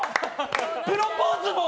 プロポーズも？